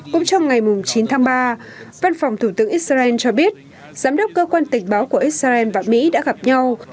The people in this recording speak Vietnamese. cũng trong ngày chín tháng ba văn phòng thủ tướng israel cho biết giám đốc cơ quan tình báo của israel và mỹ đã gặp nhau